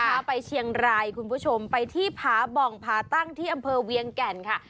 พาไปเชียงรายคุณผู้ชมไปที่ผาบ่องผาตั้งที่อำเภอเวียงแก่นค่ะ